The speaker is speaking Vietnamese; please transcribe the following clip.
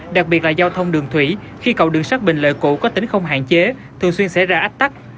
đặc biệt là giao thông đường thủy khi cầu đường sắt bình lợi cũ có tính không hạn chế thường xuyên xảy ra ách tắc